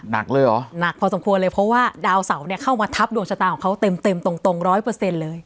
หนักเลยเหรอหนักพอสมควรเลยเพราะว่าดาวเสาเนี่ยเข้ามาทับดวงชะตาของเขาเต็มเต็มตรงร้อยเปอร์เซ็นต์เลย